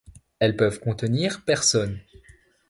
Elles peuvent contenir personnes.